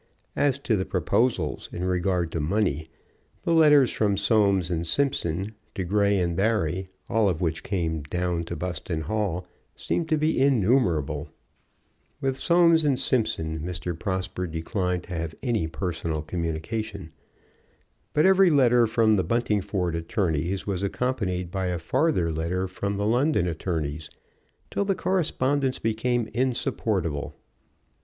As to the proposals in regard to money, the letters from Soames & Simpson to Grey & Barry, all of which came down to Buston Hall, seemed to be innumerable. With Soames & Simpson Mr. Prosper declined to have any personal communication. But every letter from the Buntingford attorneys was accompanied by a farther letter from the London attorneys, till the correspondence became insupportable.